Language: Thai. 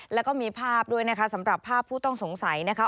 แล้วก็มีภาพด้วยนะคะสำหรับภาพผู้ต้องสงสัยนะคะ